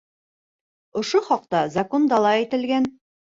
Ошо хаҡта Законда ла әйтелгән.